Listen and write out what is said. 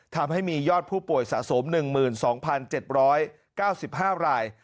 ทำให้มียอดผู้ป่วยสะสม๑๒๗๙๕ราย